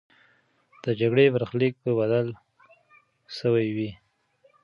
د جګړې برخلیک به بدل سوی وي.